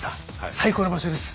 最高の場所です。